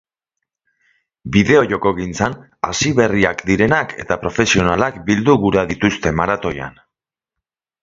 bideojokogintzan hasiberriak direnak zein profesionalak bildu gura dituzte maratoian